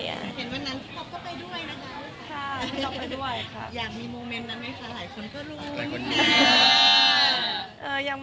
เห็นวันนั้นพี่ก๊อปก็ไปด้วยนะคะ